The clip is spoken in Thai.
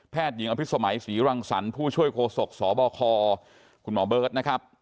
หญิงอภิษมัยศรีรังสรรค์ผู้ช่วยโฆษกสบคคุณหมอเบิร์ตนะครับ